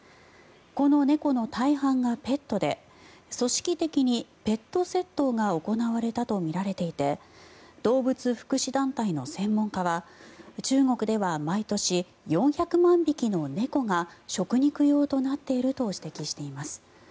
この猫の大半がペットで組織的にペット窃盗が行われたとみられていて動物福祉団体の専門家は中国では毎年４００万匹の猫が食肉用となっていると指摘しています。